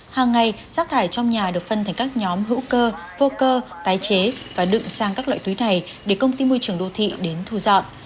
hàng ngày rác thải trong nhà được phân thành các nhóm hữu cơ vô cơ tái chế và đựng sang các loại túi này để công ty môi trường đô thị đến thu dọn